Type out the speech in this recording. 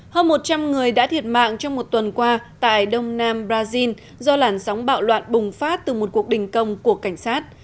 hơn một trăm linh người đã thiệt mạng trong một tuần qua tại đông nam brazil do làn sóng bạo loạn bùng phát từ một cuộc đình công của cảnh sát